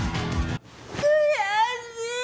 悔しい！